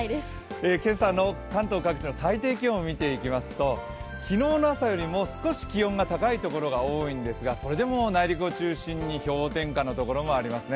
今朝の関東各地の最低気温を見ていきますと昨日の朝よりも少し気温が高いところが多いんですが、それでも内陸を中心に氷点下のところもありますね。